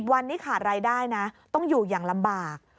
วันนี้ขาดรายได้นะต้องอยู่อย่างลำบาก